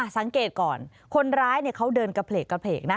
สังเกตก่อนคนร้ายเขาเดินกระเพลกนะ